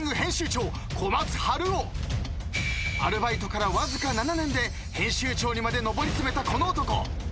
［アルバイトからわずか７年で編集長にまで上り詰めたこの男］